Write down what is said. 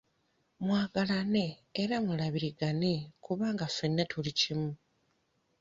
Mwagalane era mulabirigane kubanga ffenna tuli kimu.